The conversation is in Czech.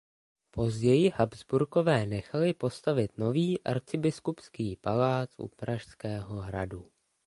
Později Habsburkové nechali postavit nový Arcibiskupský palác u Pražského hradu.